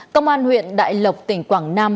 công an huyện đại lộc tỉnh quảng nam